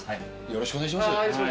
よろしくお願いします。